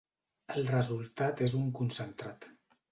El resultat és un concentrat.